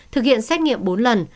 thực hiện xét nghiệm bốn lần